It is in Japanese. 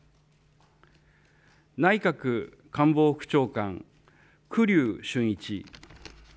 内閣官房副長官、栗生俊一。